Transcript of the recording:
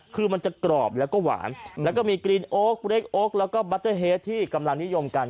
คือมันจะกรอบแล้วก็หวานแล้วก็มีกรีนโอ๊คเล็กโอ๊คแล้วก็บัตเตอร์เฮดที่กำลังนิยมกัน